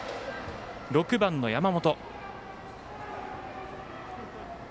６番の山本。